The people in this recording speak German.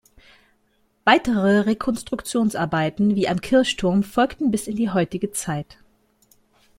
Weitere Rekonstruktionsarbeiten wie am Kirchturm folgten bis in die heutige Zeit.